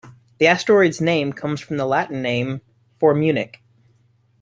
The asteroid's name comes from the Latin name for Munich.